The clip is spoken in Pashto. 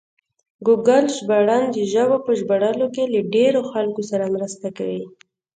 ګوګل ژباړن د ژبو په ژباړلو کې له ډېرو خلکو سره مرسته کوي.